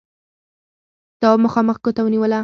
تواب مخامخ ګوته ونيوله: